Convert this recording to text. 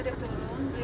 gak usah lama lama lu ya